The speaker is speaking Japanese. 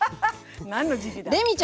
何の時期だ。